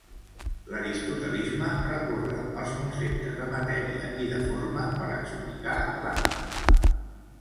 L'aristotelisme recorre als conceptes de matèria i de forma per explicar l'ànima.